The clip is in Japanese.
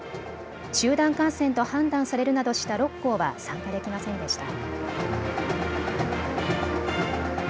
集団感染と判断されるなどした６校は参加できませんでした。